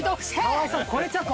川合さん超えちゃって。